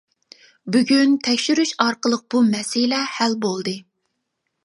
بۈگۈن تەكشۈرۈش ئارقىلىق بۇ مەسىلە ھەل بولدى.